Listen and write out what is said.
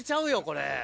これ。